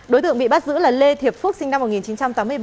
đối tượng bị bắt giữ là lê thiệp phúc sinh năm một nghìn chín trăm tám mươi bảy